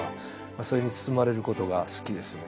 それに包まれることが好きですね。